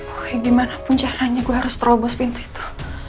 oke dimanapun caranya gue harus terobos pintu itu